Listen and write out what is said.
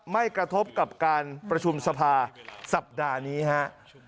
ไม่กระทบกับการประชุมสภาสัปดาห์นี้ฮะ